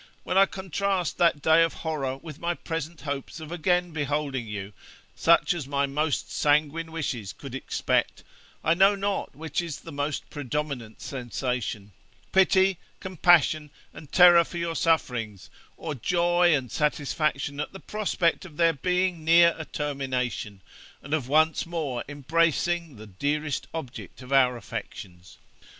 when I contrast that day of horror with my present hopes of again beholding you, such as my most sanguine wishes could expect, I know not which is the most predominant sensation, pity, compassion, and terror for your sufferings, or joy and satisfaction at the prospect of their being near a termination, and of once more embracing the dearest object of our affections.